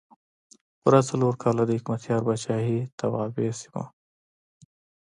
پوره څلور کاله د حکمتیار پاچاهۍ توابع سیمه وه.